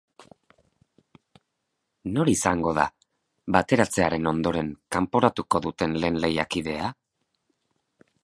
Nor izango da, bateratzearen ondoren, kanporatuko duten lehen lehiakidea?